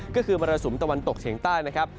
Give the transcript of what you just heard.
ก็คือมรสุมตะวันตกเฉียงใต้นะครับ